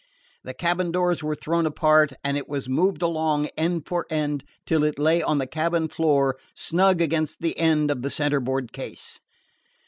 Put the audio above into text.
The cabin doors were thrown apart, and it was moved along, end for end, till it lay on the cabin floor, snug against the end of the centerboard case.